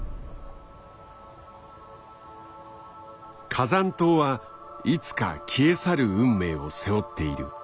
火山島はいつか消え去る運命を背負っている。